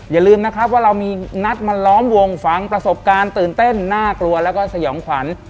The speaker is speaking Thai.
อย่าลืมนะครับว่าเรามีนัดมาล้อมวงฝังประสบการณ์ตื่นเต้นน่ากลัวแล้วก็สยองขวัญ